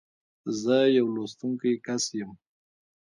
زه يو لوستونکی کس یم.